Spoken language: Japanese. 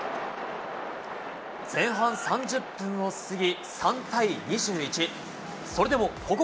前半３０分を過ぎ、３対２１。